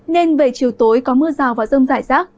nên về chiều tối có mưa rào và rông rải rác